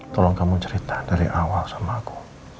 tolong kamu cerita dari awal sama aku